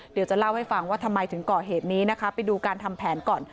เดี๋ยวจะเล่าให้ฟังว่าทำไมถึงก่อเหตุนี้นะคะไปดูการทำแผนก่อน